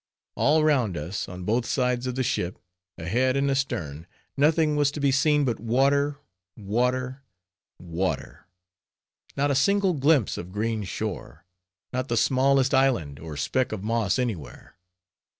All round us, on both sides of the ship, ahead and astern, nothing was to be seen but water—water—water; not a single glimpse of green shore, not the smallest island, or speck of moss any where.